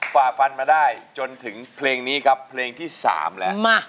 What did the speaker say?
ฝ่าฟันมาได้จนถึงเพลงนี้ครับเพลงที่๓แล้ว